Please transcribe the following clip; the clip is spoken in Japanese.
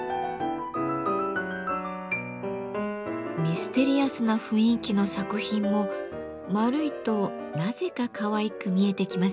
ミステリアスな雰囲気の作品も丸いとなぜかかわいく見えてきませんか？